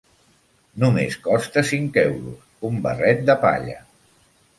Només costa cinc euros, un barret de palla.